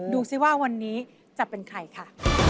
ดูสิว่าวันนี้จะเป็นใครค่ะ